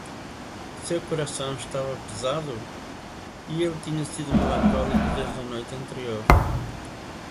Seu coração estava pesado? e ele tinha sido melancólico desde a noite anterior.